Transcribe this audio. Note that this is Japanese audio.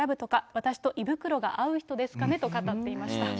私と胃袋が合う人ですかねと語っていました。